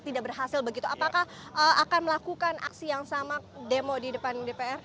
tidak berhasil begitu apakah akan melakukan aksi yang sama demo di depan dpr